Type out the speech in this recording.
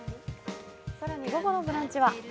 更に午後の「ブランチ」は？